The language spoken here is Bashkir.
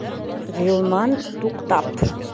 Ғилман, туҡтап: